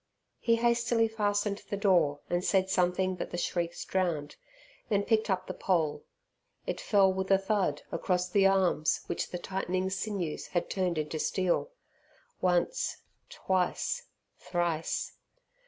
He hastily fastened the door and said something that the shrieks drowned, then picked up the pole. It fell with a thud across the arms which the tightening sinews had turned into steel. Once, twice, thrice.